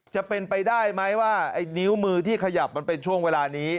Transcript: จะเป็นไปได้ไหมว่าไอ้นิ้วมือที่ขยับมันเป็นช่วงเวลานี้